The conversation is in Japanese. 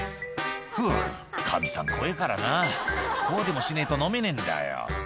「ふぅかみさん怖えぇからなこうでもしねえと飲めねえんだよ」